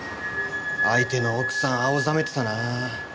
相手の奥さん青ざめてたなあ。